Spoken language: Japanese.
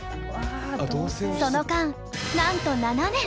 その間なんと７年！